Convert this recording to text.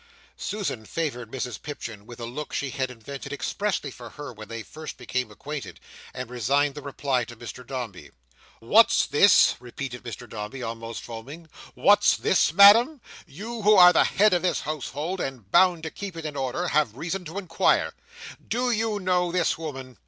Susan favoured Mrs Pipchin with a look she had invented expressly for her when they first became acquainted, and resigned the reply to Mr Dombey. "What's this?" repeated Mr Dombey, almost foaming. "What's this, Madam? You who are at the head of this household, and bound to keep it in order, have reason to inquire. Do you know this woman?"